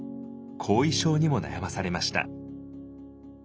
後遺症にも悩まされました。